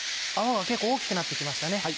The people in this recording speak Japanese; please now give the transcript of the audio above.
泡が結構大きくなって来ましたね。